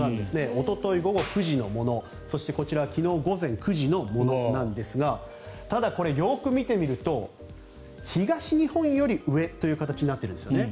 おととい午後９時のものそしてこちらは昨日午後９時のものなんですがただ、これよく見てみると東日本より上という形になっているんですよね。